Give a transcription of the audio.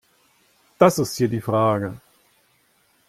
Das ist hier die Frage.